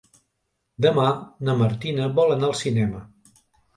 Demà na Martina vol anar al cinema.